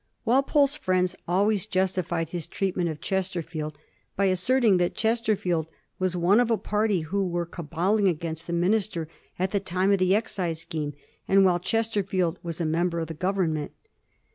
Walpole's friends always justified his treatment of Ches terfield by asserting that Chesterfield was one of a party who were caballing against the minister at the time of the excise scheme, and while Chesterfield was a member of the Government.